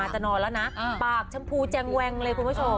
จะนอนแล้วนะปากชมพูแจงแวงเลยคุณผู้ชม